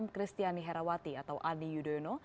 kristiani herawati atau adi yudhoyono